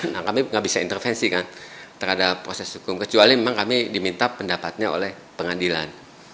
nah kami nggak bisa intervensi kan terhadap proses hukum kecuali memang kami diminta pendapatnya oleh pengadilan